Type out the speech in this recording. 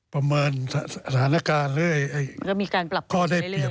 ประเมินสถานการณ์ก็มากแต่เปรียบ